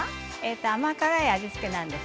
甘辛い味付けです。